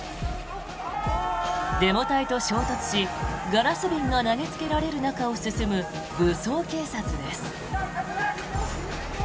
デモ隊と衝突し、ガラス瓶が投げつけられる中を進む武装警察です。